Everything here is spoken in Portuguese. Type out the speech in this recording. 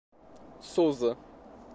Sousa